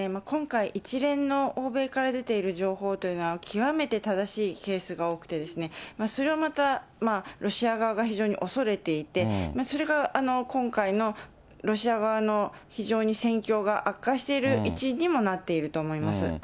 今回、一連の欧米から出ている情報というのは、極めて正しいケースが多くて、それをまた、ロシア側が非常に恐れていて、それが今回のロシア側の非常に戦況が悪化している一因にもなっていると思います。